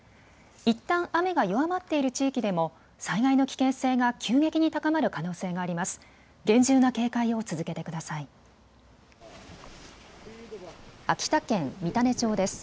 いったん雨が弱まっている地域でも災害の危険性が急激に高まる可能性があります。